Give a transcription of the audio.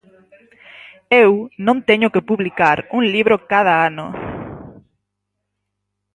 Eu non teño que publicar un libro cada ano.